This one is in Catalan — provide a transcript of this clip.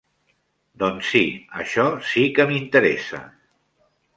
Doncs sí, això sí que m'interessa.